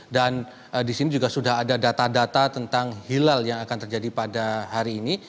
dan disini juga sudah ada data data tentang hilal yang akan terjadi pada hari ini